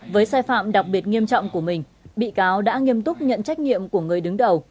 với sai phạm đặc biệt nghiêm trọng của mình bị cáo đã nghiêm túc nhận trách nhiệm của người đứng đầu